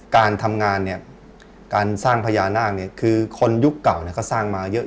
กาลความให้เขาเป็นจุดเสร็จแล้วกันจะมาทำอะไรคำว่า